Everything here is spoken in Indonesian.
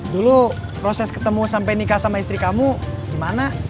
dulu proses ketemu sampai nikah sama istri kamu gimana